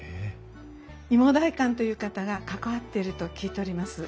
いも代官という方が関わっていると聞いております。